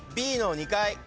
Ｂの２階。